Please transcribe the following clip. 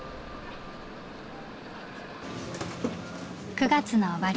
９月の終わり。